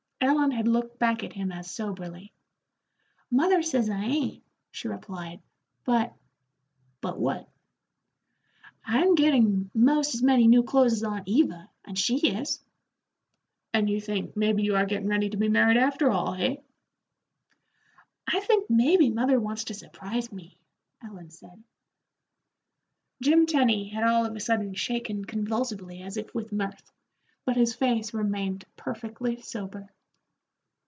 Ellen had looked back at him as soberly. "Mother says I 'ain't," she replied, "but " "But what?" "I am getting most as many new clothes as Aunt Eva, and she is." "And you think maybe you are gettin' ready to be married, after all, hey?" "I think maybe mother wants to surprise me," Ellen said. Jim Tenny had all of a sudden shaken convulsively as if with mirth, but his face remained perfectly sober.